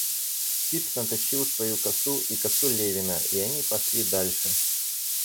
Тит наточил свою косу и косу Левина, и они пошли дальше.